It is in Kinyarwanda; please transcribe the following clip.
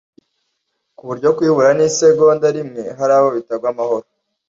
ku buryo kuyibura n’isegonda rimwe hari abo bitagwa amahoro